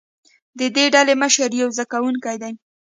د دې ډلې مشر یو زده کوونکی دی.